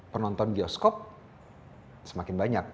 penonton bioskop semakin banyak